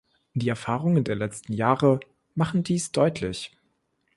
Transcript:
Die Erfahrungen der letzten Jahre machen dies deutlich.